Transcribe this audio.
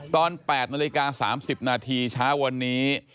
ตอน๘นาฬิกา๓๐นาทีเช้าวันนี้